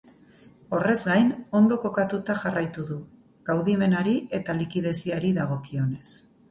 Horrez gain, ondo kokatuta jarraitu du, kaudimenari eta likideziari dagokionez.